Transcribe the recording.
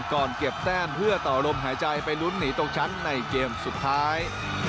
เก็บแต้มเพื่อต่อลมหายใจไปลุ้นหนีตกชั้นในเกมสุดท้าย